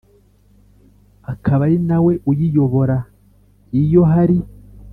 akaba ari na we uyiyobora Iyo hari